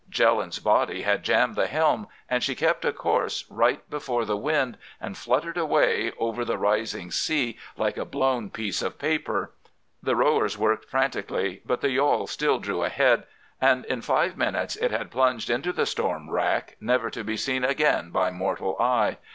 Jelland's body had jammed the helm, and she kept a course right before the wind, and fluttered away over the rising sea like a blown piece of paper. The rowers worked frantically, but the yawl still drew ahead, and in five minutes it had plunged into the storm wrack never to be seen again by mortal eye.